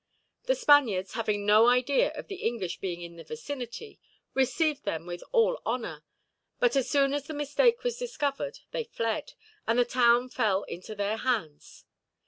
The Spaniards, having no idea of the English being in the vicinity, received them with all honor; but as soon as the mistake was discovered they fled, and the town fell into their hands.